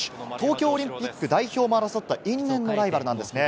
東京オリンピック代表も争った因縁のライバルなんですね。